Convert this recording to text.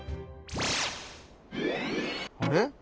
あれ？